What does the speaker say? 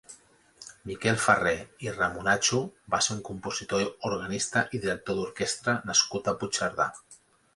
Miquel Ferrer i Ramonatxo va ser un compositor, organista i director d'orquestra nascut a Puigcerdà.